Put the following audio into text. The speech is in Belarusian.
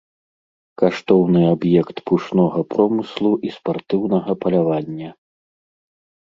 Каштоўны аб'ект пушнога промыслу і спартыўнага палявання.